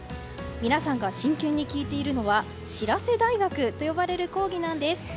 皆さんが真剣に聞いているのはしらせ大学と呼ばれる講義なんです。